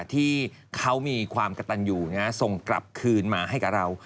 ที่เขามีความกระตันอยู่ส่งกลับคืนมาให้กับเรา